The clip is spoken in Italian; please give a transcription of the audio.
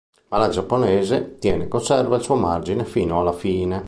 Ma la giapponese tiene e conserva il suo margine fino alla fine.